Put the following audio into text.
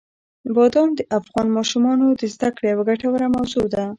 بادام د افغان ماشومانو د زده کړې یوه ګټوره موضوع ده.